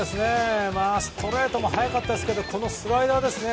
ストレートも速かったですがこのスライダーですね。